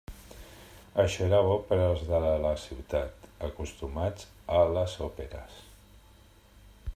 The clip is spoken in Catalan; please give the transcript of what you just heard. Això era bo per als de la ciutat, acostumats a les òperes.